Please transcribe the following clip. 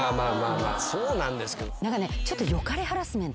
まあそうなんですけど。